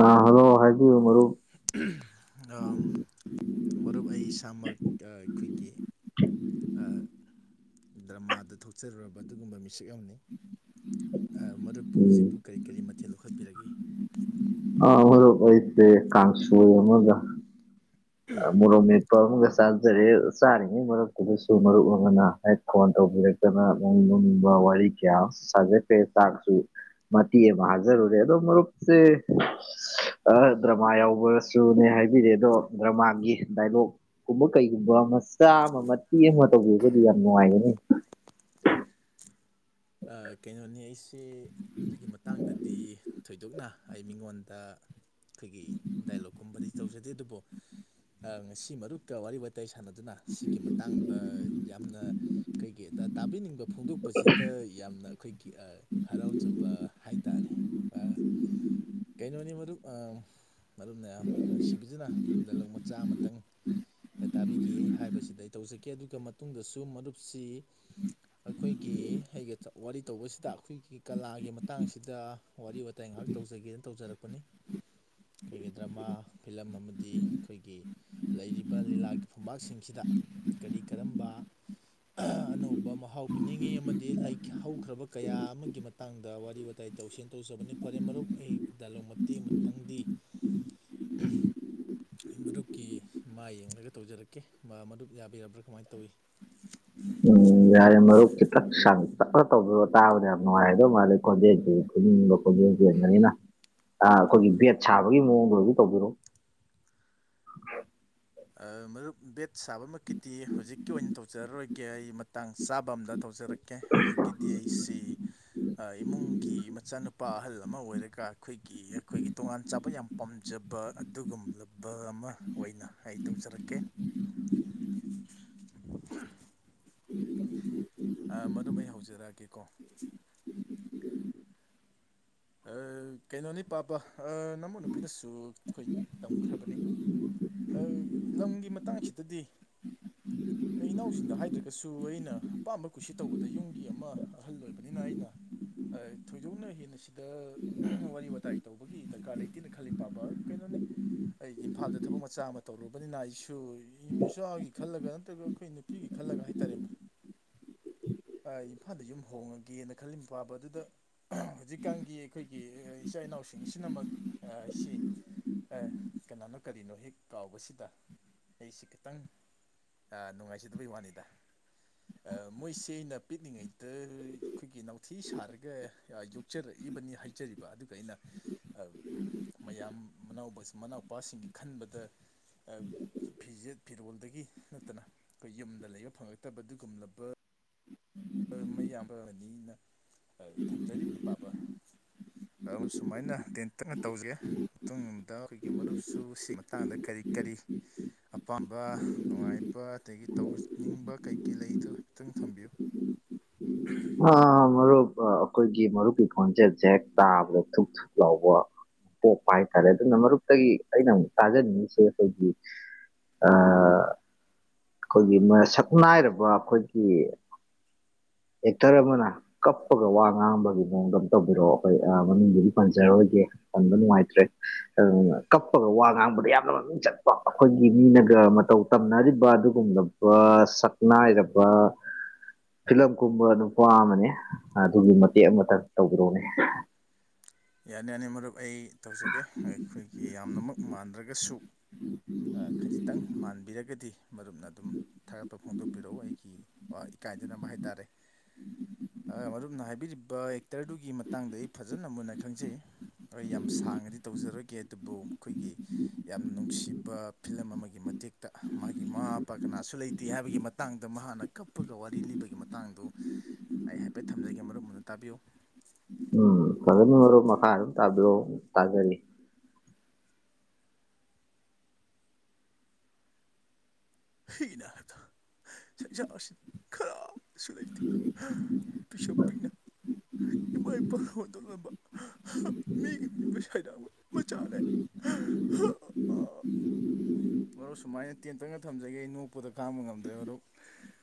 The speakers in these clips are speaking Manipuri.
ꯑ ꯍꯜꯂꯣ ꯍꯥꯏꯕꯤꯌꯨ ꯃꯔꯨꯞ [inaudible] ꯑ ꯃꯔꯨꯞ ꯑꯩ ꯏꯁꯥꯃꯛ ꯑꯥ ꯑꯩꯈꯣꯏꯒꯤ ꯑꯥ ꯗ꯭ꯔꯃꯥꯗ ꯊꯣꯛꯆꯔꯨꯔꯕ ꯑꯗꯨꯒꯨꯝꯕ ꯃꯤꯁꯛ ꯑꯃꯅꯤ ꯑꯥ ꯃꯔꯨꯞꯄꯨ ꯍꯧꯖꯤꯛꯄꯨ ꯎꯝ ꯀꯔꯤ ꯀꯔꯤ ꯃꯊꯦꯜ ꯂꯧꯈꯠꯄꯤꯔꯒꯦ ꯑꯥ ꯃꯔꯨꯞ ꯑꯣꯏꯁꯦ ꯀꯥꯡꯁꯣꯏ ꯑꯃꯒ ꯎꯝ ꯃꯣꯔꯣꯛ ꯃꯦꯠꯄ ꯑꯃꯒ ꯆꯥꯖꯔꯦ ꯆꯥꯔꯤꯉꯩ ꯃꯔꯛꯇꯨꯗꯁꯨ ꯃꯔꯨꯞ ꯑꯃꯅ ꯍꯥꯏ ꯐꯣꯟ ꯇꯧꯕꯤꯔꯛꯇꯅꯅꯨꯡ ꯋꯥꯔꯤ ꯀꯌꯥ ꯑꯃꯁꯨ ꯁꯥꯖꯈꯔ꯭ꯦ ꯆꯥꯛ ꯁꯨ ꯃꯇꯦꯛ ꯑꯃꯥ ꯍꯥꯖꯔꯨꯔꯦ ꯑꯗꯣ ꯃꯔꯨꯞꯁꯦ ꯑ ꯗ꯭ꯔꯃꯥ ꯌꯥꯎꯕꯁꯨꯅꯦ ꯍꯥꯏꯕꯤꯔꯑꯦ ꯑꯗꯣ ꯗ꯭ꯔꯃꯥꯒꯤ ꯗꯥꯏꯂꯣꯛ ꯒꯨꯝꯕ ꯀꯩꯒꯨꯝꯕ ꯃꯆꯥ ꯑꯃ ꯃꯇꯦꯛ ꯑꯃ ꯇꯧꯕꯤꯔꯒꯗꯤ ꯌꯥꯝ ꯅꯨꯡꯉꯥꯏꯒꯅꯤ ꯑꯥ ꯀꯩꯅꯣꯅꯤ ꯑꯩꯁꯦ ꯑꯗꯨꯒꯤ ꯃꯇꯥꯡꯗꯗꯤ ꯊꯣꯏꯗ ꯗꯨꯛꯅ ꯑꯩ ꯃꯤꯉꯣꯟꯗ ꯑꯩꯈꯣꯏꯒꯤ ꯗꯥꯏꯂꯣꯛꯀꯨꯝꯕꯗꯤ ꯇꯧꯖꯗꯦ ꯑꯗꯨꯕꯨ ꯉꯁꯤ ꯃꯔꯨꯞꯀ ꯋꯥꯔꯤ ꯋꯥ ꯇꯥꯏ ꯁꯥꯟꯅꯗꯨꯅ ꯁꯤꯒꯤ ꯃꯇꯥꯡꯗ ꯌꯥꯝꯅ ꯀꯩꯒꯤꯗ ꯇꯥꯕꯤꯅꯤꯡꯕ ꯐꯣꯡꯗꯣꯛꯄꯁꯤ ꯇ ꯌꯥꯝꯅ ꯑꯩꯈꯣꯏꯒꯤ ꯍꯔꯥꯎꯖꯕ ꯍꯥꯏꯇꯥꯔꯦ ꯀꯩꯅꯣꯅꯤ ꯃꯔꯨꯞ ꯑ ꯃꯔꯨꯝꯅ ꯅꯨꯡꯁꯤꯕꯤꯗꯨꯅ ꯗꯥꯏꯂꯣꯛ ꯃꯆꯥ ꯑꯃꯇꯪ ꯇꯥꯕꯤꯒꯦ ꯍꯥꯏꯕꯁꯤꯗ ꯑꯩ ꯇꯧꯖꯒꯦ ꯑꯗꯨꯒ ꯃꯇꯨꯡꯗꯁꯨ ꯃꯔꯨꯞꯁꯤ ꯑꯩꯈꯣꯏꯒꯤ ꯑꯩꯒ ꯋꯥꯔꯤ ꯇꯧꯕꯁꯤꯗ ꯑꯩꯈꯣꯏꯒꯤ ꯀꯂꯥꯒꯤ ꯃꯇꯥꯡꯁꯤꯗ ꯋꯥꯔꯤ ꯋꯥꯇꯥꯏ ꯉꯥꯏꯍꯥꯛ ꯇꯧꯖꯒꯦꯅ ꯇꯧꯖꯔꯛꯄ ꯄꯅꯤ ꯑꯩꯈꯣꯏꯒꯤ ꯗ꯭ꯔꯃꯥ ꯐꯤꯂꯝ ꯑꯃꯗꯤ ꯑꯩꯈꯣꯏꯒꯤ ꯂꯩꯔꯤꯕ ꯂꯤꯂꯥꯒꯤ ꯐꯝꯄꯥꯛꯁꯤꯡꯁꯤꯗ ꯀꯔꯤ ꯀꯔꯝꯕ ꯑꯅꯧꯕ ꯃꯍꯥꯎ ꯄꯤꯅꯤꯡꯉꯤ ꯑꯃꯗꯤ ꯂꯩ ꯍꯧꯈ꯭ꯔꯕ ꯀꯌꯥ ꯑꯃꯒꯤ ꯃꯇꯥꯡꯗ ꯋꯥꯔꯤ ꯋꯥꯇꯥꯏ ꯇꯧꯁꯦꯟ ꯇꯧꯖꯕꯅꯤ ꯐꯔꯦ ꯃꯔꯨꯞ ꯑꯩ ꯗꯥꯏꯂꯣꯛ ꯃ ꯇꯦꯛ ꯑꯃꯇꯪꯗꯤ ꯑꯩ ꯃꯨꯞꯀꯤ ꯃꯥꯏ ꯌꯦꯡꯂꯒ ꯇꯧꯖꯔꯛꯀꯦ ꯃꯥ ꯃꯔꯨꯞ ꯌꯥꯕꯤꯔꯕ꯭ꯔꯥ ꯀꯃꯥꯏ ꯇꯧꯏ ꯎꯝ ꯌꯥꯔꯦ ꯃꯔꯨꯞ ꯈꯤꯇꯪ ꯁꯥꯡ ꯇꯞꯅꯥ ꯇꯧꯕꯤꯑꯣ ꯇꯥꯕꯗ ꯌꯥꯝ ꯅꯨꯡꯥꯏꯗꯧ ꯃꯥꯜꯂꯤ ꯈꯣꯟꯖꯦꯟꯁꯤ [unintelligible] ꯑꯥ ꯑꯩꯈꯣꯏꯒꯤ ꯕꯦꯠ ꯁꯥꯕꯒꯤ ꯃꯑꯣꯡꯗ ꯑꯗꯨ ꯇꯧꯕꯤꯔꯣ ꯑꯥ ꯃꯔꯨꯞ ꯕꯦꯠ ꯁꯥꯕꯃꯛꯀꯤꯗꯤ ꯍꯧꯖꯤꯛꯀꯤ ꯑꯣꯏꯅ ꯇꯧꯖꯔꯔꯣꯏꯒꯦ ꯑꯩ ꯃꯇꯥꯡ ꯆꯥꯕ ꯑꯝꯗ ꯇꯧꯖꯔꯛ ꯀꯦ ꯍꯧꯖꯤꯛꯀꯤꯗꯤ ꯑꯩꯁꯤ ꯑꯥ ꯏꯃꯨꯡꯒꯤ ꯃꯆꯥꯅꯨꯄꯥ ꯑꯍꯜ ꯑꯃ ꯑꯣꯏꯔꯒ ꯑꯩꯈꯣꯏꯒꯤ ꯑꯩꯈꯣꯏꯒꯤ ꯇꯣꯉꯥꯟ ꯆꯥꯕ ꯌꯥꯝ ꯄꯥꯝꯖꯕ ꯑꯗꯨꯒꯨꯝꯂꯕ ꯑꯃ ꯑꯣꯏꯅ ꯑꯩ ꯇꯧꯖꯔꯛꯀꯦ ꯑꯥ ꯃꯔꯨꯞ ꯑꯩ ꯍꯧꯖꯔꯛꯑꯒꯦꯀꯣ ꯑꯥꯏ ꯀꯩꯅꯣꯅꯤ ꯄꯥꯕ ꯑꯥ ꯅꯨꯄꯤꯅꯁꯨ ꯑꯩꯈꯣꯏ ꯇꯝꯈ꯭ꯔꯕꯅꯤ ꯑꯩ ꯂꯝꯒꯤ ꯃꯇꯥꯡꯁꯤꯗꯗꯤ ꯑꯩ ꯏꯅꯥꯎꯁꯤꯡꯗ ꯍꯥꯏꯗ꯭ꯔꯒꯁꯨ ꯑꯩꯅ ꯑꯄꯥꯝꯕ ꯀꯨꯁꯤ ꯇꯧꯕꯗ ꯌꯨꯝꯒꯤ ꯑꯃ ꯑꯍꯜ ꯑꯣꯏꯕꯅꯤꯅ ꯑꯩꯅ ꯑꯥ ꯊꯣꯏꯗꯣꯛꯅ ꯍꯦꯟꯅ ꯗ ꯋꯥꯔꯤ ꯋꯥꯇꯥꯏ ꯇꯧꯕꯒꯤ ꯗꯔꯀꯥꯔ ꯂꯩꯇꯦꯅ ꯈꯜꯂꯤ ꯄꯥꯕ ꯀꯩꯅꯣꯅꯤ ꯑꯩ ꯏꯝꯐꯥꯜꯗ ꯊꯕꯛ ꯃꯆꯥ ꯑꯃ ꯇꯧꯔꯨꯕꯅꯤꯅ ꯑꯩꯁꯨ ꯏꯆꯥꯒꯤ ꯈꯜꯂꯒ ꯅꯠꯇ꯭ꯔꯒ ꯑꯩꯈꯣꯏ ꯅꯨꯞ ꯄꯤꯒꯤ ꯈꯜꯂꯒ ꯍꯥꯏꯇꯥꯔꯦꯝ ꯑꯥ ꯏꯝꯐꯥꯜꯗ ꯌꯨꯝ ꯍꯣꯡꯉꯒꯦꯅ ꯈꯜꯂꯤ ꯄꯥꯕ ꯑꯗꯨꯗ ꯍꯧꯖꯤꯛ ꯀꯥꯡꯒꯤ ꯑꯩꯈꯣꯏꯒꯤ ꯏꯆꯥ ꯏꯅꯥꯎꯁꯤꯡꯁꯤꯅꯃꯛ ꯁꯤ ꯑꯦ ꯀꯅꯥꯅꯣ ꯀꯔꯤꯅꯣ ꯍꯦꯛ ꯀꯥꯎꯕꯁꯤꯗ ꯑꯩꯁꯤ ꯈꯤꯇꯪ ꯑꯥ ꯅꯨꯡꯉꯥꯏꯖꯗꯕꯩ ꯋꯥꯅꯤꯗ ꯑꯥ ꯃꯣꯏꯁꯤ ꯑꯩꯅ ꯄꯤꯛꯂꯤꯉꯩꯗ ꯑꯩꯈꯣꯏꯒꯤ ꯅꯥꯊꯤ ꯁꯥꯔꯒ ꯌꯥ ꯌꯨꯠ ꯆꯔꯛꯏꯕꯅꯤ ꯍꯥꯏꯖꯔꯤꯕ ꯑꯗꯨꯒ ꯑꯩꯅ ꯑꯥ ꯃꯌꯥꯝ ꯃꯅꯥꯎꯕꯁ ꯃꯅꯥꯎꯄꯥꯁꯤꯡꯒꯤ ꯈꯟꯕꯗ ꯑꯥ ꯐꯤꯖꯦꯠ ꯐꯤꯔꯣꯜꯗꯒꯤ ꯅꯠꯇꯅ ꯑꯩꯈꯣꯏ ꯌꯨꯝꯗ ꯂꯩꯕ ꯐꯪꯉꯛꯇꯕ ꯑꯗꯨꯒꯨꯝꯂꯕ ꯃꯩ ꯌꯥꯝꯕ ꯑꯅꯤꯅ ꯑꯥ ꯊꯝꯖꯔꯤꯕꯅꯤ ꯄꯥꯕ [unintelligible] ꯁꯨꯃꯥꯏꯅ ꯇꯦꯟꯇꯛꯅ ꯇꯧꯖꯦ ꯃꯇꯨꯡꯑꯝꯗ ꯑꯩꯈꯣꯏꯒꯤ ꯃꯔꯨꯞꯁꯨ ꯁꯤꯒꯤ ꯃꯇꯥꯡꯗ ꯀꯔꯤ ꯀꯔꯤ ꯑꯄꯥꯝꯕ ꯅꯨꯡꯉꯥꯏꯕ ꯑꯗꯒꯤ ꯇꯧꯅꯤꯡꯕ ꯀꯩꯀꯩ ꯂꯩꯗꯣ ꯍꯥꯏꯐꯦꯠꯇꯪ ꯊꯝꯕꯤꯌꯨ [unintelligible] ꯑ ꯃꯔꯨꯞ ꯑꯥ ꯑꯩꯈꯣꯏꯒꯤ ꯃꯔꯨꯞꯀꯤ ꯈꯣꯟꯖꯦꯟ ꯖꯦꯛ ꯇꯥꯕꯗ ꯊꯨꯨꯞ ꯊꯨꯞ ꯂꯥꯎꯕ ꯄꯣꯛꯄ ꯍꯥꯏꯇꯥꯔꯦ ꯑꯗꯨꯅ ꯃꯔꯨꯞꯇꯒꯤ ꯑꯩꯅ ꯑꯃꯨꯛ ꯇꯥꯖꯅꯤꯡꯉꯤꯁꯦ ꯑꯈꯣꯏꯒꯤ ꯑꯥ ꯑꯩꯈꯣꯏꯒꯤ ꯃꯥꯁꯛꯅꯥꯏꯔꯕ ꯑꯩꯈꯣꯏꯒꯤ ꯑꯦꯇꯔꯑꯃꯅ ꯀꯞꯄꯒ ꯋꯥ ꯉꯥꯡꯕꯒꯤ ꯃꯑꯣꯡꯗꯝ ꯑꯝ ꯇꯧꯕꯤꯔꯛꯑꯣ ꯑꯩꯈꯣꯏ ꯑꯥ ꯃꯃꯤꯡꯗꯨꯗꯤ ꯄꯟꯖꯔꯣꯏꯒꯦ ꯄꯥꯟꯕ ꯅꯨꯡꯉꯥꯏꯇ꯭ꯔꯦ ꯑꯗꯨꯅ ꯀꯞꯄꯒ ꯋꯥ ꯉꯥꯡꯕꯗ ꯌꯥꯝꯅ ꯃꯃꯤꯡ ꯆꯠꯄ ꯑꯩꯈꯣꯏꯒꯤ ꯃꯤꯅꯒ ꯃꯇꯧ ꯇꯝꯅꯔꯤꯕ ꯑꯗꯨꯒꯨꯝꯂꯕ ꯕꯥ ꯁꯛꯅꯥꯏꯔꯕ ꯐꯤꯂꯝ ꯀꯨꯝꯕ ꯅꯨꯄꯥ ꯑꯃꯅꯦ ꯑꯗꯨꯒꯤ ꯃꯇꯦꯛ ꯑꯃꯇꯪ ꯇꯧꯕꯤꯔꯛꯎꯅꯦ ꯌꯥꯅꯤ ꯌꯥꯅꯤ ꯃꯔꯨꯞ ꯑꯩ ꯇꯧꯖꯒꯦ ꯑꯩꯈꯣꯏꯒꯤ ꯌꯥꯝꯅꯃꯛ ꯃꯥꯟꯗ꯭ꯔꯒꯁꯨ ꯑꯥ ꯈꯖꯤꯛꯇꯪ ꯃꯥꯟꯕꯤꯔꯒꯗꯤ ꯃꯔꯨꯞꯅ ꯑꯗꯨꯝ ꯊꯥꯒꯠꯄ ꯐꯣꯡꯗꯣꯛꯄꯤꯔꯛꯎ ꯑꯩꯒꯤ ꯑꯥ ꯏꯀꯥꯏꯗꯥꯅꯕ ꯍꯥꯏꯇꯥꯔꯦ ꯑꯥ ꯃꯔꯨꯞꯅ ꯍꯥꯏꯕꯤꯔꯤꯕ ꯑꯦꯛꯇꯔꯗꯨꯒꯤ ꯃꯇꯥꯡꯗ ꯑꯩ ꯐꯖꯅ ꯃꯨꯟꯅ ꯈꯪꯖꯩ ꯑꫭꯏ ꯌꯥꯝ ꯁꯥꯡꯅꯗꯤ ꯇꯧꯖꯔꯣꯏꯒꯦ ꯑꯗꯨꯕꯨ ꯑꯩꯈꯣꯏꯒꯤ ꯌꯥꯝ ꯅꯨꯡꯁꯤꯕ ꯐꯤꯂꯝ ꯑꯃꯒꯤ ꯃꯇꯦꯛꯇ ꯃꯥꯒꯤ ꯃꯃꯥ ꯃꯄꯥ ꯀꯅꯥꯁꯨ ꯂꯩꯇꯦ ꯍꯥꯏꯕꯒꯤ ꯃꯇꯥꯡꯗ ꯃꯍꯥꯛꯅ ꯀꯞꯄꯒ ꯋꯥꯔꯤ ꯂꯤꯕꯒꯤ ꯃꯇꯥꯡꯗꯨ ꯑꯩ ꯍꯥꯏꯐꯦꯠ ꯊꯝꯖꯒꯦ ꯃꯔꯨꯞ ꯃꯨꯟꯅꯥ ꯇꯥꯕꯤꯌꯨ ꯎꯝ ꯐꯖꯅ ꯃꯔꯨꯞ ꯃꯈꯥ ꯑꯗꯨꯝ ꯇꯥꯕꯤꯔꯛꯑꯣ ꯇꯥꯖꯔꯤ ꯍꯤꯅ ꯊꯥ ꯁꯪꯁꯥꯔꯁꯤꯗ ꯀꯅꯥꯁꯨ ꯂꯩꯇꯦ ꯄꯤꯁꯛ ꯄꯤꯛꯅ ꯏꯃꯥ ꯏꯄꯥꯅ ꯍꯨꯟꯇꯣꯛꯂꯝꯕ ꯃꯤꯒꯤ ꯃꯤꯌꯨꯝꯗ ꯁꯩꯗꯥꯡꯕ ꯃꯆꯥꯅꯦ ꯑꯣ ꯁꯨꯃꯥꯏꯅ ꯇꯦꯟꯇꯛꯅ ꯊꯝꯖꯒꯦ ꯑꯩ ꯅꯣꯛꯄꯗ ꯈꯥꯡꯕ ꯉꯝꯗ꯭ꯔꯦ ꯃꯔꯨꯞ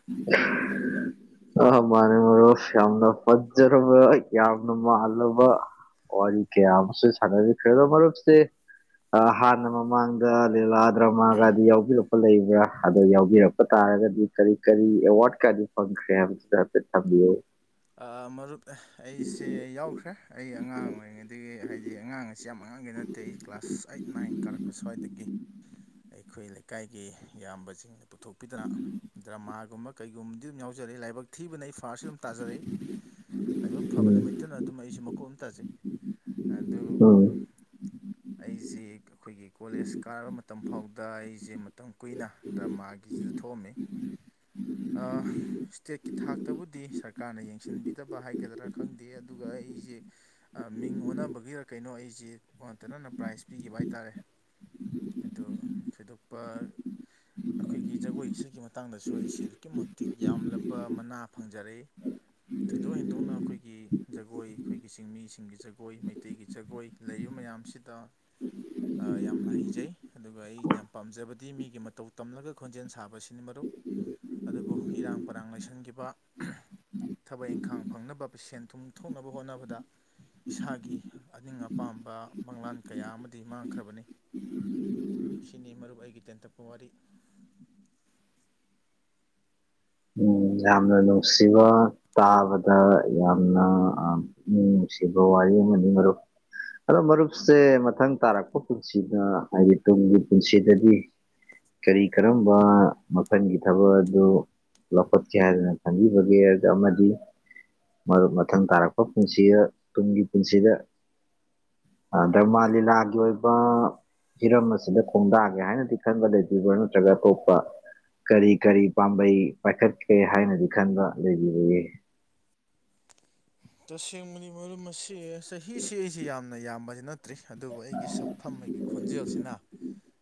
[unintelligible] ꯑ ꯃꯥꯅꯦ ꯃꯔꯣꯞ ꯌꯥꯝꯅ ꯐꯠꯖꯔꯕ ꯌꯥꯝꯅ ꯃꯥꯜꯂꯕ ꯋꯥꯔꯤ ꯀꯦꯌꯥꯃꯁꯨ ꯁꯥꯟꯅꯕꯤꯈ꯭ꯔꯦ ꯗꯣ ꯃꯔꯨꯞꯁꯦ ꯑ ꯍꯥꯟꯅ ꯃꯃꯥꯡꯗ ꯂꯤꯂꯥ ꯗ꯭ꯔꯥꯃꯒꯗꯤ ꯌꯥꯎꯕꯤꯔꯛ ꯄ ꯂꯩꯕ꯭ꯔꯥ ꯑꯗꯣ ꯌꯥꯎꯕꯤꯔꯛꯄ ꯇꯥꯔꯒꯗꯤ ꯀꯔꯤ ꯀꯔꯤ ꯑꯦꯋꯥꯔꯠ ꯀꯗꯤ ꯐꯪꯈ꯭ꯔꯦ ꯍꯥꯏꯕ ꯁꯨ ꯍꯥꯏꯐꯦꯠ ꯊꯝꯕꯤꯌꯨ ꯑꯥ ꯃꯔꯨꯞ ꯑꯩꯁꯦ ꯌꯥꯎꯈ꯭ꯔꯦ ꯑꯩ ꯑꯉꯥꯡ ꯑꯣꯏꯔꯤꯉꯩꯗꯒꯤ ꯍꯥꯏꯗꯤ ꯑꯉꯥꯡ ꯑꯁꯤ ꯌꯥꯝ ꯑꯉꯥꯡꯗꯤ ꯅꯠ ꯇꯦ ꯑꯩ ꯀ꯭ꯂꯥꯁ ꯑꯩꯠ ꯅꯥꯏꯟ ꯀꯔꯛ ꯄ ꯁ꯭ꯋꯥꯏꯗꯒꯤ ꯑꯩꯈꯣꯏ ꯂꯩꯀꯥꯏꯒꯤ ꯏꯌꯥꯝꯕꯖꯤꯡꯅ ꯄꯨꯊꯣꯛꯄꯤꯗꯅ ꯗ꯭ꯔꯃꯥꯒꯨꯝꯕ ꯀꯩꯒꯨꯝꯕꯗꯤ ꯑꯗꯨꯝ ꯌꯥꯎꯖꯔꯛꯑꯦ ꯂꯥꯏꯕꯛ ꯊꯤꯕꯅ ꯑꯩ ꯐꯥꯔꯁꯁꯦ ꯑꯗꯨꯝ ꯇꯥꯖꯔꯛꯏ ꯂꯥꯏꯕꯛ ꯐꯕ ꯎꯝ ꯅꯨꯃꯤꯠꯇꯅ ꯑꯗꯨꯝ ꯑꯩꯁꯨ ꯃꯀꯣꯛ ꯑꯗꯨꯝ ꯇꯥꯖꯩ ꯑꯗꯨ ꯎꯝ ꯑꯩꯖꯦ ꯑꯈꯣꯏꯒꯤ ꯀꯣꯂꯦꯖ ꯀꯥꯔꯕ ꯃꯇꯝ ꯐꯥꯎꯗ ꯑꯩꯖꯦ ꯃꯇꯝ ꯀꯨꯏꯅ ꯗ꯭ꯔꯃꯥꯒꯤꯖꯤꯗ ꯊꯣꯛꯑꯝꯃꯦ ꯑꯥ ꯏꯁꯇꯦꯠꯀꯤ ꯊꯥꯛꯇꯕꯨꯗꯤ ꯁꯔꯀꯥꯔꯅ ꯌꯦꯡ ꯌꯦꯡꯁꯤꯟꯕꯤꯗꯕ ꯍꯥꯏꯒꯗ꯭ꯔꯥ ꯈꯪꯗꯦ ꯑꯗꯨꯒ ꯑꯩꯖꯦ ꯑꯥ ꯃꯤꯡ ꯑꯣꯟꯅꯕꯒꯤꯔ ꯀꯩꯅꯣ ꯑꯩꯖꯦ ꯑꯣꯟꯅ ꯇꯩꯅꯅ ꯄ꯭ꯔꯥꯏꯖ ꯄꯤꯒꯤꯕ ꯍꯥꯏꯇꯥꯔꯦ ꯑꯗꯨ ꯊꯣꯏꯗꯣꯛꯄ ꯑꯩꯈꯣꯏꯒꯤ ꯖꯒꯣꯏ ꯏꯁꯩꯒꯤ ꯃꯇꯥꯡꯗꯁꯨ ꯑꯩꯁꯦ ꯑꯗꯨꯛꯀꯤ ꯃꯇꯤꯛ ꯌꯥꯝꯂꯕ ꯃꯅꯥ ꯐꯪꯖꯔꯛꯏ ꯊꯣꯏꯗꯣꯛ ꯍꯦꯟꯗꯣꯛꯅ ꯑꯈꯣꯏꯒꯤ ꯖꯒꯣꯏ ꯑꯈꯣꯏꯒꯤ ꯆꯤꯡꯃꯤꯁꯤꯡꯒꯤ ꯖꯒꯣꯏ ꯃꯩꯇꯩꯒꯤ ꯖꯒꯣꯏ ꯂꯩꯔꯤꯕ ꯃꯌꯥꯝꯁꯤꯗ ꯑꯥ ꯌꯥꯝꯅ ꯍꯩꯖꯩ ꯑꯗꯨꯒ ꯑꯩꯅ ꯌꯥꯝ ꯄꯥꯝꯖꯕꯗꯤ ꯃꯤꯒꯤ ꯃꯇꯧ ꯇꯝꯂꯒ ꯈꯣꯟꯖꯦꯜ ꯁꯥꯕꯁꯤꯅꯤ ꯃꯔꯨꯞ ꯑꯗꯨꯕꯨ ꯏꯔꯥꯡ ꯄꯔꯥꯡ ꯂꯩꯁꯟꯈꯤꯕ ꯊꯕꯛ ꯑꯦꯡꯈꯥꯡ ꯐꯪꯅꯕ ꯁꯦꯟ ꯊꯨꯝ ꯊꯣꯛꯅꯕ ꯍꯣꯠꯅꯕꯗ ꯏꯁꯥꯒꯤ ꯑꯅꯤꯡ ꯑꯄꯥꯝꯕ ꯃꯪꯂꯥꯟ ꯀꯌꯥꯃꯗꯤ ꯃꯥꯡꯈ꯭ꯔꯕꯅꯤ ꯁꯤꯅꯤ ꯃꯔꯨꯞ ꯑꯩꯒꯤ ꯇꯦꯟꯇꯛꯄ ꯋꯥꯔꯤ ꯌꯥꯝꯅ ꯅꯨꯡꯁꯤꯕ ꯇꯥꯕꯗ ꯌꯥꯝꯅ ꯑꯥ ꯄꯨꯛꯅꯤꯡ ꯅꯨꯡꯁꯤꯕ ꯋꯥꯔꯤ ꯑꯃꯅꯤ ꯃꯔꯨꯞ ꯑꯗꯣ ꯃꯔꯨꯞꯁꯦ ꯃꯊꯪ ꯇꯥꯔꯛꯄ ꯄꯨꯟꯁꯤꯗ ꯍꯥꯏꯗꯤ ꯇꯨꯡꯒꯤ ꯄꯨꯟꯁꯤꯗꯗꯤ ꯀꯔꯤ ꯀꯔꯝꯕ ꯃꯈꯜꯒꯤ ꯊꯕꯛ ꯑꯗꯨ ꯂꯧꯈꯠꯀꯦ ꯍꯥꯏꯗꯅ ꯈꯟꯕꯤꯕꯒꯦ ꯑꯗ ꯑꯃꯗꯤ ꯃꯔꯨꯞ ꯃꯊꯪ ꯇꯥꯔꯛꯄ ꯄꯨꯟꯁꯤꯗ ꯇꯨꯡꯒꯤ ꯄꯨꯟꯁꯤꯗ ꯑ ꯗ꯭ꯔꯃꯥ ꯂꯤꯂꯥꯒꯤ ꯑꯣꯏꯕ ꯍꯤꯔꯝ ꯑꯁꯤꯗ ꯈꯣꯡꯗꯥꯒꯦ ꯍꯥꯏꯅꯗꯤ ꯈꯟꯕ ꯂꯩꯕꯤꯕ꯭ꯔꯥ ꯅꯠꯇ꯭ꯔꯒ ꯑꯇꯣꯞꯄ ꯀꯔꯤ ꯀꯔꯤ ꯄꯥꯝꯕꯩ ꯄꯥꯏꯈꯠꯀꯦ ꯍꯥꯏꯅꯗꯤ ꯈꯟꯕ ꯂꯩꯕꯤꯕꯒꯦ ꯇꯁꯦꯡꯕꯅꯤ ꯃꯔꯨꯝ ꯃꯁꯤ ꯆꯍꯤꯁꯤ ꯑꯩꯁꯤ ꯌꯥꯝꯅ ꯌꯥꯝꯕꯗꯤ ꯅꯠꯇ꯭ꯔꯤ ꯑꯗꯨꯕꯨ ꯑꯩꯒꯤ ꯁꯛꯐꯝ ꯑꯩꯒꯤ ꯈꯣꯟꯖꯦꯜꯁꯤꯅ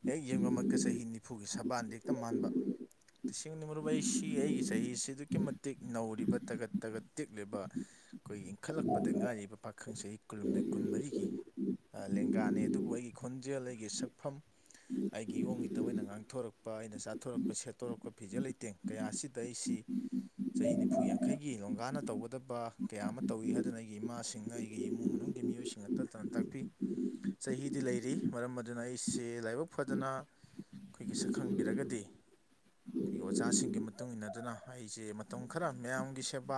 ꯍꯦꯛ ꯌꯦꯡꯕꯃꯛꯇ ꯆꯍꯤ ꯅꯤꯐꯨꯒꯤ ꯁꯕꯥꯟꯗ ꯍꯦꯛꯇ ꯃꯥꯟꯕ ꯇꯁꯦꯡꯅ ꯃꯔꯨꯞ ꯑꯩꯁꯤ ꯑꯩꯒꯤ ꯆꯍꯤꯁꯤ ꯑꯗꯨꯛꯀꯤ ꯃꯇꯤꯛ ꯅꯧꯔꯤꯕ ꯇꯒꯠ ꯇꯒꯠ ꯇꯦꯛꯂꯤꯕ ꯈꯣꯏꯒꯤ ꯏꯟꯈꯠꯂꯛꯄꯗ ꯉꯥꯏꯔꯤꯕ ꯄꯥꯈꯪ ꯆꯍꯤ ꯀꯨꯜꯍꯨꯝꯗꯣꯏ ꯀꯨꯟꯃꯔꯤꯒꯤ ꯑ ꯂꯦꯡꯒꯥꯅꯦ ꯑꯗꯨꯕꯨ ꯑꯩꯒꯤ ꯈꯣꯟꯖꯦꯜ ꯑꯩꯒꯤ ꯁꯛꯐꯝ ꯑꯩꯒꯤ ꯏꯣꯌꯦꯡ ꯏꯇꯧ ꯑꯩꯅ ꯉꯥꯡꯊꯣꯔꯛꯄ ꯑꯩꯅ ꯆꯥꯊꯣꯔꯛꯄ ꯁꯦꯠꯇꯣꯔꯛꯄ ꯐꯤꯖꯦ ꯂꯩꯇꯦꯡ ꯀꯌꯥ ꯑꯁꯤꯗ ꯑꯩꯁꯤ ꯆꯍꯤ ꯅꯤꯐꯨ ꯌꯥꯡꯈꯩꯒꯤ ꯂꯣꯒꯥꯅ ꯇꯧꯒꯗꯕ ꯀꯌꯥ ꯑꯃ ꯇꯧꯏꯤ ꯍꯥꯏꯗꯨꯅ ꯑꯩꯒꯤ ꯏꯃꯥꯁꯤꯡꯅ ꯑꯩꯒꯤ ꯏꯃꯨꯡ ꯃꯅꯨꯡꯒꯤ ꯃꯤꯑꯣꯏꯁꯤꯡꯅ ꯇꯠꯇꯅ ꯇꯥꯛꯄꯤ ꯆꯍꯤꯗꯤ ꯂꯩꯔꯤ ꯃꯔꯝ ꯑꯗꯨꯅ ꯑꯩꯁꯦ ꯂꯥꯏꯕꯛ ꯐꯗꯅ ꯈꯣꯏꯒꯤ ꯁꯛ ꯈꯪꯕꯤꯔꯒꯗꯤ ꯑꯩꯈꯣꯏꯒꯤ ꯑꯣꯖꯥꯁꯤꯡꯒꯤ ꯃꯇꯨꯡ ꯏꯟꯅꯗꯅ ꯑꯩꯁꯦ ꯃꯇꯝ ꯈꯔ ꯃꯌꯥꯝꯒꯤ ꯁꯦꯕꯥ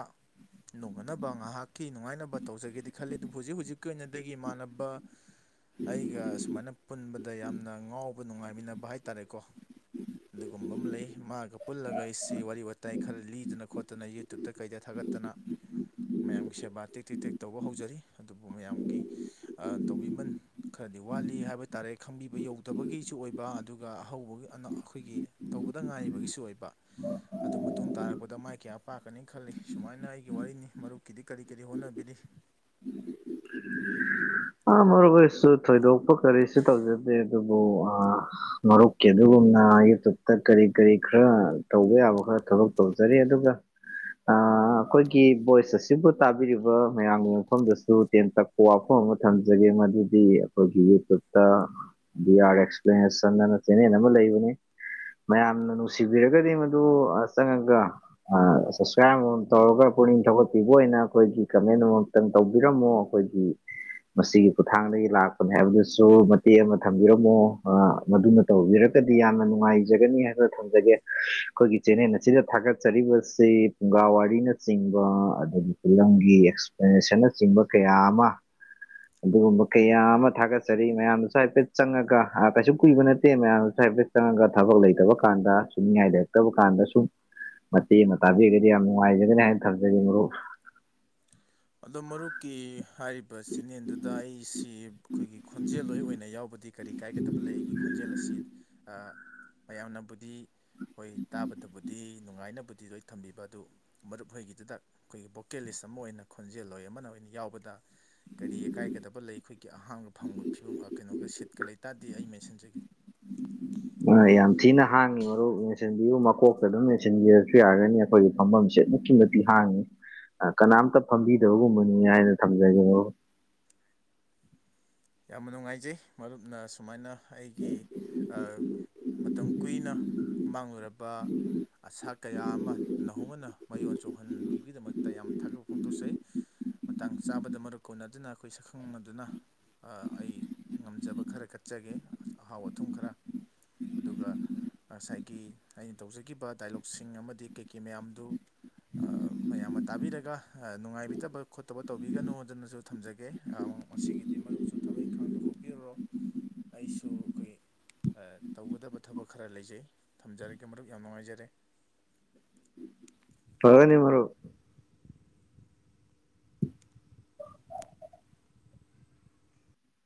ꯍꯣꯠꯅꯕ ꯉꯥꯏꯍꯥꯛꯀꯤ ꯅꯨꯡꯉꯥꯏꯅꯕ ꯇꯧꯖꯒꯦꯗꯤ ꯈꯜꯂꯤ ꯑꯗꯨꯕꯨ ꯍꯧꯖꯤꯛ ꯍꯧꯖꯤꯛꯀꯤ ꯑꯣꯏꯅꯗꯤ ꯑꯩꯒꯤ ꯏꯃꯥꯟꯅꯕ ꯑꯩꯒ ꯁꯨꯃꯥꯏꯅ ꯄꯨꯟꯕꯗ ꯌꯥꯝꯅ ꯉꯥꯎꯕ ꯅꯨꯡꯉꯥꯏꯃꯤꯟꯅꯕ ꯍꯥꯏꯇꯥꯔꯦꯀꯣ ꯑꯗꯨꯒꯨꯝꯕ ꯑꯃ ꯂꯩ ꯃꯥꯒ ꯄꯨꯜꯂꯒ ꯑꯩꯁꯤ ꯋꯥꯔꯤ ꯋꯥꯇꯥꯏ ꯈꯔ ꯂꯤꯗꯅ ꯈꯣꯠꯇꯅ ꯇꯇꯨꯨꯞꯇ ꯀꯩꯗ ꯊꯥꯒꯠꯇꯅ ꯃꯌꯥꯝꯒꯤ ꯁꯦꯕꯥ ꯇꯦꯛꯛ ꯇꯦꯛ ꯇꯦꯛ ꯇꯧꯕ ꯍꯧꯖꯔꯤ ꯑꯗꯨꯕꯨ ꯃꯌꯥꯝꯒꯤ ꯇꯧꯕꯤꯃꯟ ꯈꯔꯗꯤ ꯋꯥꯠꯂꯤ ꯍꯥꯏꯕ ꯇꯥꯔꯦ ꯈꯪꯕꯤꯕ ꯌꯧꯗꯕꯒꯤꯁꯨ ꯑꯣꯏꯕ ꯑꯗꯨꯒ ꯑꯍꯧꯕꯅ ꯑꯩꯈꯣꯏꯒꯤ ꯇꯧꯕꯗ ꯉꯥꯏꯔꯤꯕꯒꯤꯁꯨ ꯑꯣꯏꯕ ꯑꯗꯨ ꯃꯇꯨꯡ ꯇꯥꯔꯛꯄꯗ ꯃꯥꯏ ꯀꯌꯥ ꯄꯥꯛꯀꯅꯤ ꯈꯜꯂꯤ ꯁꯨꯃꯥꯏꯅ ꯑꯩꯒꯤ ꯋꯥꯔꯤꯅꯤ ꯃꯔꯨꯞꯀꯤꯗꯤ ꯀꯔꯤ ꯀꯔꯤ ꯍꯣꯠꯅꯕꯤꯔꯤ ꯑꯥ ꯃꯔꯨꯞ ꯑꯣꯏꯁꯨ ꯊꯣꯏꯗꯣꯛꯄ ꯀꯔꯤꯁꯨ ꯇꯧꯖꯗꯦ ꯑꯗꯨꯕꯨ ꯑꯥ ꯃꯔꯨꯞꯀꯤ ꯑꯗꯨꯒꯨꯝꯅ ꯌꯨꯇꯨꯨꯞꯇ ꯀꯔꯤ ꯀꯔꯤ ꯈꯔ ꯇꯧꯕ ꯌꯥꯕ ꯈꯔ ꯊꯕꯛ ꯇꯧꯖꯔꯤ ꯑꯗꯨꯒ ꯑꯥ ꯑꯩꯈꯣꯏꯒꯤ ꯚꯣꯏꯁ ꯑꯁꯤꯕꯨ ꯇꯥꯕꯤꯔꯤꯕ ꯃꯌꯥꯝꯒꯤ ꯃꯐꯝꯗꯁꯨ ꯇꯦꯟ ꯇꯛꯄ ꯋꯥꯐꯝ ꯑꯃ ꯊꯝꯖꯒꯦ ꯃꯗꯨꯗꯤ ꯑꯩꯈꯣꯏꯒꯤ ꯌꯨꯇꯨꯞꯇ ꯕꯤ ꯑꯥꯔ ꯑꯦꯛꯁꯄ꯭ꯂꯅꯦꯁꯟ ꯍꯥꯏꯅ ꯆꯦꯅꯦꯜ ꯑꯃ ꯂꯩꯕꯅꯦ ꯃꯌꯥꯝꯅ ꯅꯨꯡꯁꯤꯕꯤꯔꯒꯗꯤ ꯃꯗꯨ ꯆꯪꯉꯒ ꯑꯥ ꯁꯞꯁ꯭ꯔꯥꯞ ꯑꯃꯃꯝ ꯇꯧꯔꯒ ꯄꯨꯛꯅꯤꯡ ꯊꯧꯒꯠꯄꯤꯕ ꯑꯣꯏꯅ ꯑꯩꯈꯣꯏꯒꯤ ꯀꯃꯦꯟ ꯑꯃ ꯇꯪ ꯇꯧꯕꯤꯔꯝꯃꯣ ꯑꯩꯈꯣꯏꯒꯤ ꯃꯁꯤꯒꯤ ꯈꯨꯊꯥꯡꯗꯒꯤ ꯂꯥꯛꯄꯅꯤ ꯍꯥꯏꯕꯗꯨꯁꯨ ꯃꯇꯦꯛ ꯑꯃ ꯊꯝꯕꯤꯔꯝꯃꯣ ꯃꯗꯨꯅ ꯇꯧꯕꯤꯔꯒꯗꯤ ꯌꯥꯝꯅ ꯅꯨꯡꯉꯥꯏꯖꯒꯅꯤ ꯍꯥꯏꯕ ꯊꯝꯖꯒꯦ ꯑꯩꯈꯣꯏꯒꯤ ꯆꯦꯅꯦꯜ ꯑꯁꯤꯗ ꯊꯥꯒꯠꯆꯔꯤꯕꯁꯤ ꯐꯨꯡꯒꯥ ꯋꯥꯔꯤꯅꯆꯤꯡꯕ ꯑꯗꯥꯒꯤ ꯐꯤꯂꯝꯒꯤ ꯑꯦꯛꯁꯄ꯭ꯂꯦꯅꯦꯁꯟꯅꯆꯤꯡꯕ ꯀꯌꯥ ꯑꯃ ꯑꯗꯨꯒꯨꯝꯕ ꯀꯌꯥ ꯑꯃ ꯊꯥꯒꯠꯆꯔꯤ ꯃꯌꯥꯝꯅꯁꯨ ꯍꯥꯏꯐꯦꯠ ꯆꯪꯉꯒ ꯀꯩꯁꯨ ꯀꯨꯏꯕ ꯅꯠꯇꯦ ꯃꯌꯥꯝꯅꯁꯨ ꯍꯥꯏꯐꯦꯠ ꯆꯪꯉꯒ ꯊꯕꯛ ꯂꯩꯇꯕ ꯀꯥꯟꯗ ꯁꯨꯝꯅꯤꯡꯉꯥꯏ ꯂꯩꯔꯛꯇꯕ ꯀꯥꯟꯗ ꯁꯨꯝ ꯃꯇꯦꯛ ꯑꯃ ꯇꯥꯕꯤꯔꯒꯗꯤ ꯌꯥꯝ ꯅꯨꯡꯉꯥꯏꯖꯒꯅꯤ ꯍꯥꯏꯅ ꯊꯝꯖꯒꯦ ꯃꯔꯨꯞ ꯑꯗꯣ ꯃꯔꯨꯞ ꯀꯤ ꯍꯥꯏꯔꯤꯕ ꯆꯦꯅꯦꯜꯗꯨꯗ ꯑꯩꯁꯤ ꯑꯩꯈꯣꯏꯒꯤ ꯈꯣꯟꯖꯦꯜꯂꯣꯏ ꯑꯣꯏꯅ ꯌꯥꯎꯕꯗꯤ ꯀꯔꯤ ꯀꯥꯏꯒꯗꯕ ꯂꯩ ꯑꯩꯒꯤ ꯈꯣꯟꯖꯦꯜ ꯑꯁꯤ ꯑꯥ ꯃꯌꯥꯝꯅꯕꯨꯗꯤ ꯍꯣꯏ ꯇꯥꯕꯗꯕꯨꯗꯤ ꯅꯨꯡꯉꯥꯏꯅꯕꯗꯤ ꯂꯣꯏ ꯊꯝꯕꯤꯕ ꯑꯗꯨ ꯃꯔꯨꯞ ꯍꯣꯏꯒꯤꯗꯨꯗ ꯑꯩꯈꯣꯏꯒꯤ ꯚꯣꯀꯦꯂꯤꯁ ꯑꯃ ꯑꯣꯏꯅ ꯈꯣꯟꯖꯦꯜ ꯂꯣꯏ ꯑꯃꯅ ꯑꯣꯏꯅ ꯌꯥꯎꯕꯗ [unintelligible] ꯀꯔꯤꯀꯥꯏꯒꯗꯕ ꯂꯩ ꯑꯩꯈꯣꯏꯒꯤ ꯑꯍꯥꯡꯕ ꯐꯪꯕ ꯐꯤꯕꯝ ꯑꯥ ꯀꯩꯅꯣꯒ ꯁꯤꯠꯀ ꯂꯩꯇꯥꯗꯤ ꯑꯩ ꯃꯦꯟꯁꯤꯟꯖꯒꯦ [unintelligible] ꯑꯥ ꯌꯥꯝ ꯊꯤꯅ ꯍꯥꯡꯉꯤ ꯃꯔꯨꯞ ꯃꯦꯟꯁꯤꯟꯕꯤꯌꯨ ꯃꯀꯣꯛꯇ ꯗꯨꯝ ꯃꯦꯟꯁꯤꯟꯕꯤꯔꯁꯨ ꯌꯥꯔꯒꯅꯤ ꯈꯣꯏꯒꯤ ꯐꯝꯐꯝꯁꯦ ꯑꯗꯨꯛꯀꯤ ꯃꯇꯤꯛ ꯍꯥꯡꯉꯤ ꯑꯥ ꯀꯅꯥꯝꯇ ꯐꯝꯕꯤꯗꯕꯒꯨꯝꯕꯅꯤ ꯍꯥꯏꯅ ꯊꯝꯖꯒꯦ ꯃꯔꯨꯞ ꯌꯥꯝꯅ ꯅꯨꯡꯉꯥꯏꯖꯩ ꯃꯔꯨꯞꯅ ꯁꯨꯃꯥꯏꯅ ꯑꯩꯒꯤ ꯑꯥ ꯃꯇꯝ ꯀꯨꯏꯅ ꯃꯥꯡꯂꯨꯔꯕ ꯑꯁꯥ ꯀꯌꯥ ꯑꯃ ꯅꯧꯍꯧꯅꯅ ꯃꯌꯣꯟ ꯆꯣꯡꯍꯟꯕꯤꯕꯒꯤꯗꯃꯛꯇ ꯌꯥꯝꯅ ꯊꯥꯒꯠꯄ ꯐꯣꯡꯗꯣꯛꯆꯩ ꯃꯇꯥꯡ ꯆꯥꯕꯗ ꯃꯔꯨꯞ ꯎꯅꯗꯨꯅ ꯈꯣꯏ ꯁꯛꯈꯪꯅꯗꯨꯅ ꯑꯥ ꯑꯩ ꯉꯝꯖꯕ ꯈꯔ ꯀꯠꯆꯒꯦ ꯑꯍꯥꯎ ꯑꯊꯨꯝ ꯈꯔ ꯑꯗꯨꯒ ꯉꯁꯥꯏꯒꯤ ꯑꯩꯅ ꯇꯧꯖꯒꯤꯕ ꯗꯥꯏꯂꯣꯛꯁꯤꯡ ꯑꯃꯗꯤ ꯀꯩꯀꯩ ꯃꯌꯥꯝꯗꯨ ꯑꯥ ꯃꯌꯥꯝꯅ ꯇꯥꯕꯤꯔꯒ ꯑꯥ ꯅꯨꯡꯉꯥꯏꯕꯤꯗꯕ ꯈꯣꯠꯇꯕ ꯇꯧꯕꯤꯒꯅꯣ ꯑꯗꯅꯖꯨ ꯊꯝꯖꯒꯦ ꯑꯥ ꯉꯁꯤꯒꯤꯗꯤ ꯃꯔꯨꯞꯁꯨ ꯊꯕꯛ ꯏꯪꯈꯥꯡ ꯇꯧꯊꯣꯛꯄꯤꯔꯨꯔꯣ ꯑꯩꯁꯨ ꯑꯈꯣꯏꯒꯤ ꯑꯥ ꯇꯧꯒꯗꯕ ꯊꯕꯛ ꯈꯔ ꯂꯩꯖꯩ ꯊꯝꯖꯔꯒꯦ ꯃꯔꯨꯞ ꯌꯥꯝ ꯅꯨꯡꯉꯥꯏꯖꯔꯦ ꯐꯒꯅꯤ ꯃꯔꯨꯞ